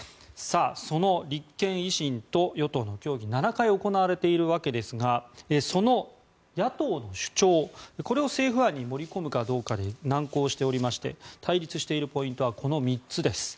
その立憲、維新と与党の協議７回行われているわけですがその野党の主張、これを政府案に盛り込むかどうかで難航しておりまして対立しているポイントはこの３つです。